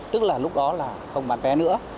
tức là lúc đó là không bán vé nữa